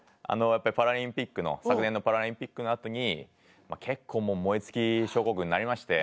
やっぱパラリンピックの昨年のパリンピックのあとに結構燃え尽き症候群になりまして。